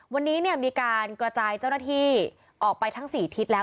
วันนี้เนี่ยมีการกระจายเจ้าหน้าที่ออกไปทั้ง๔ทิศแล้ว